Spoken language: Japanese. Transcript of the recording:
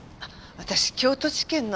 私京都地検の。